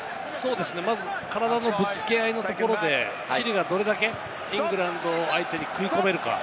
まず体のぶつけ合いのところで、チリがどれだけイングランド相手に食い込めるか。